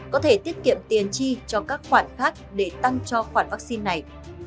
có thể tiết kiệm tiền chi cho các khoản khác để tăng cho khoản vaccine này